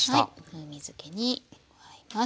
風味づけに加えます。